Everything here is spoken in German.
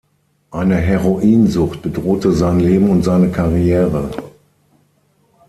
Eine Heroinsucht bedrohte sein Leben und seine Karriere.